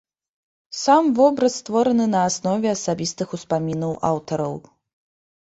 Сам вобраз створаны на аснове асабістых успамінаў аўтараў.